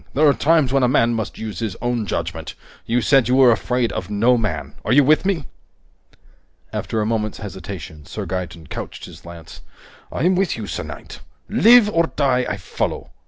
There are times when a man must use his own judgment! You said you were afraid of no man. Are you with me?" After a moment's hesitation, Sir Gaeton couched his lance. "I'm with you, sir knight! Live or die, I follow!